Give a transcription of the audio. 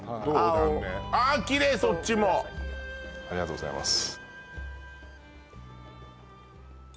そっちもありがとうございます